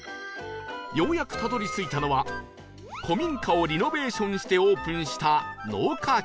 ようやくたどり着いたのは古民家をリノベーションしてオープンした